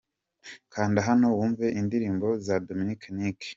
Kanda hano wumve indirimbo za Dominic Nic.